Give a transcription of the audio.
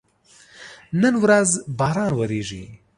نن ورځ باران وریږي